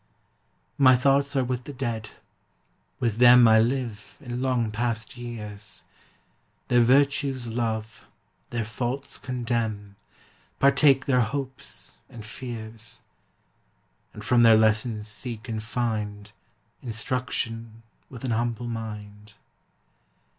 My thoughts are with the Dead; with them I live in long past years, Their virtues love, their faults condemn, Partake their hopes and fears, And from their lessons seek and find Instruction with an humble mind.